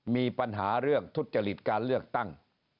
มีปัญหาเรื่องทุจริตการเลือกตั้ง